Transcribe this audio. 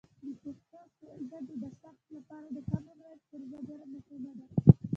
د پښتو ژبې د ثبت لپاره د کامن وایس پروژه ډیر مهمه ده.